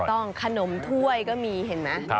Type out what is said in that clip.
ถูกต้องขนมถ้วยก็มีเห็นไหม